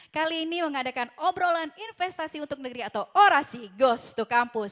kali ini mengadakan obrolan investasi untuk negeri atau orasi ghost to campus